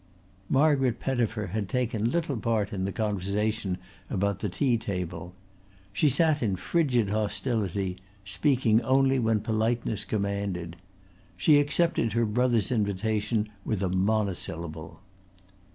Margaret Pettifer had taken little part in the conversation about the tea table. She sat in frigid hostility, speaking only when politeness commanded. She accepted her brother's invitation with a monosyllable.